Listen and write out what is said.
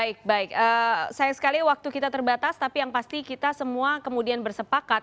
baik baik sayang sekali waktu kita terbatas tapi yang pasti kita semua kemudian bersepakat